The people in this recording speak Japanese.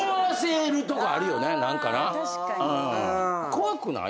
怖くない？